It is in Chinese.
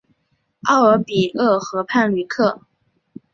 奥尔比厄河畔吕克。